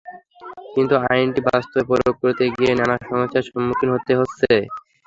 কিন্তু আইনটি বাস্তবে প্রয়োগ করতে গিয়ে নানা সমস্যার সম্মুখীন হতে হচ্ছে।